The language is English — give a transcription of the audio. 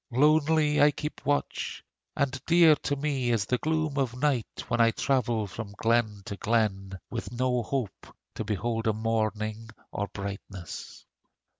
Lonely I keep watch, And dear to me is the gloom of night When I travel from glen to glen, With no hope to behold a morning or brightness.